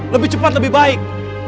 lebih cepat lebih baik